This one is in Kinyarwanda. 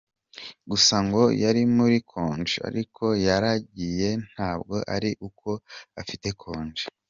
Gusa ngo yari muri konji, ariko yaragiye ntabwo ari uko afite konji.